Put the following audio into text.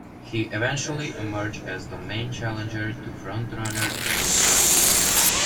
He eventually emerged as the main challenger to frontrunner Donald Trump.